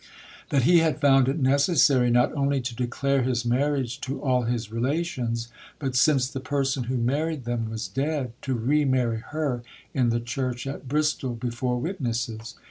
That he had found it necessary not only to declare his marriage to all his relations, but since the person who married them was dead, to re marry her in the church at Bristol, before witnesses.